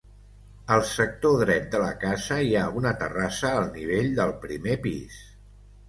Al sector dret de la casa hi ha una terrassa al nivell del primer pis.